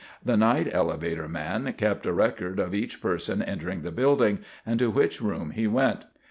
The night elevator man kept a record of each person entering the building and to which room he went.